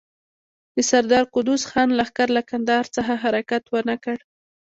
د سردار قدوس خان لښکر له کندهار څخه حرکت ونه کړ.